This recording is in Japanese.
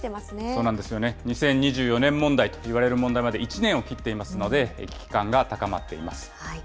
そうなんですよね、２０２４年問題といわれる問題まで１年を切っていますので、危機感が高まっています。